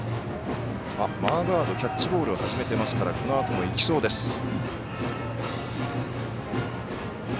マーガードキャッチボールを始めてますからこのあともいきそうです。